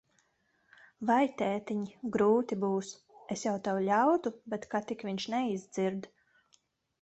Vai, tētiņ, grūti būs. Es jau tev ļautu, bet ka tik viņš neizdzird.